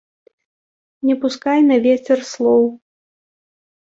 Не пускай на вецер слоў.